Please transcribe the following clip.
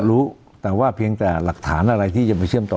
รู้แต่ว่าเพียงแต่หลักฐานอะไรที่จะไปเชื่อมต่อ